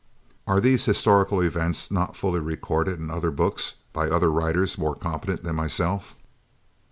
Are these historical events not fully recorded in other books, by other writers more competent than myself?